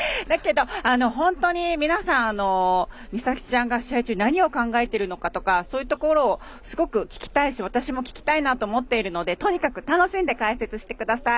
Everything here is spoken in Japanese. でも本当に皆さん、美咲ちゃんが試合中、何を考えているのかとかそういうところをすごく聞きたいし私も聞きたいなと思っているのでとにかく楽しんで解説してください。